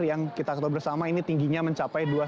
yang kita ketahui bersama ini tingginya mencapai